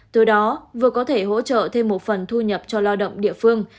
từ đó vừa có thể hỗ trợ thêm một phần thu nhập cho lao động địa phương